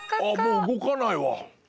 もう動かないわ！